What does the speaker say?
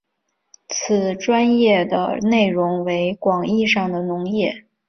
此专页的内容为广义上的农业。